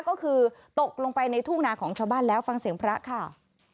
ก็คือตกลงไปในทุ่งนาของชาวบ้านแล้วฟังเสียงพระค่ะ